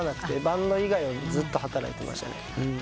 バンド以外はずっと働いてましたね。